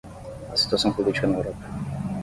A Situação Política na Europa